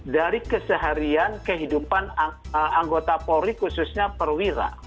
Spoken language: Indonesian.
dari keseharian kehidupan anggota polri khususnya perwira